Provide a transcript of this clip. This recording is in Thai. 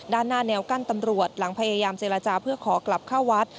ด้านหน้าแนวกั้นตำรวจหลังพยายามเจรจาเพื่อขอกลับเข้าวัด